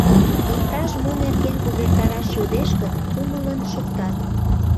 Иктаж-мо нерген увертараш йодеш гын, кумылын шуктат.